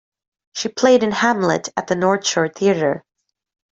She played in "Hamlet" at the North Shore Theater.